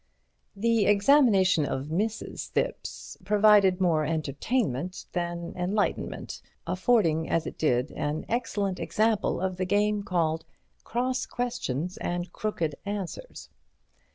The examination of Mrs. Thipps provided more entertainment than enlightenment, affording as it did an excellent example of the game called "cross questions and crooked answers."